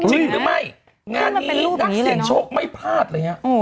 จริงหรือไม่งานนี้ลูกนักเสี่ยงโชคไม่พลาดเลยฮะ